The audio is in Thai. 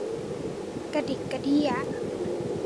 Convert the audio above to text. กระดิกกระเดี้ย